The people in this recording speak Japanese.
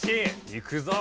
いくぞ！